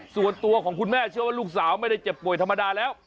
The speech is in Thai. ส่วนตัวของคุณแม่เชื่อว่าลูกสาวไม่ได้เจ็บป่วยธรรมดาแล้ว